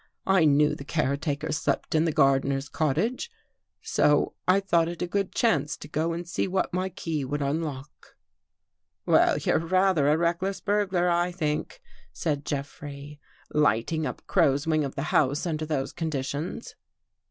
I knew the care taker slept in the gardener's cottage, so I thought it a good chance to go and see what my key would unlock." " Well, you're rather a reckless burglar, I think," said Jeffrey, " lighting up Crow's wing of the house under those conditions."